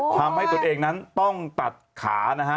ทำให้ตัวเองนั้นต้องตัดขานะฮะ